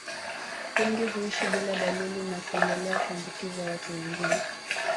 Wengi huishi bila dalili na kuendelea kuambukiza watu wengine